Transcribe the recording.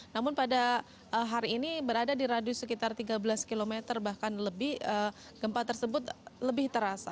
namun pada hari ini berada di radius sekitar tiga belas km bahkan lebih gempa tersebut lebih terasa